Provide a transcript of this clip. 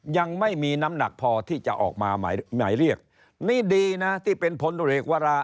ยังไม่มีน้ำหนักพอที่จะออกมาหมายเรียกนี่ดีนะที่เป็นพลตรวจเอกวรา